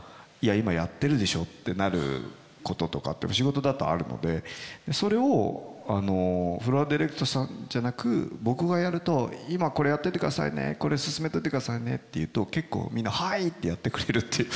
今やってるでしょってなることとかって仕事だとあるのでそれをフロアディレクターさんじゃなく僕がやると今これやっといてくださいねこれ進めといてくださいねって言うと結構みんな「はい！」ってやってくれるっていう。